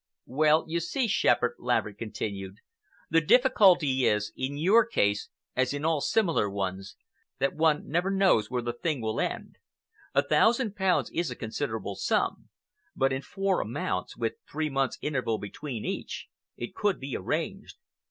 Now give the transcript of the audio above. "Well, you see, Shepherd," Laverick continued, "the difficulty is, in your case, as in all similar ones, that one never knows where the thing will end. A thousand pounds is a considerable sum, but in four amounts, with three months interval between each, it could be arranged.